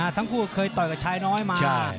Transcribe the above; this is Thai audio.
ทั้งคู่เคยต่อยกับชายน้อยมา